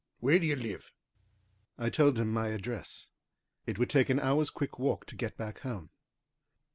Where do you live?" I told him my address. It would take an hour's quick walk to get back home.